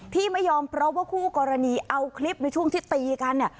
ที่ไม่ยอมเพราะว่าคู่กรณีเอาคลิปในช่วงที่ตีกันเนี่ย